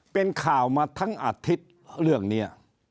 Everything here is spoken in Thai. เป็นข่าวมาทั้งอาทิตย์เรื่องนี้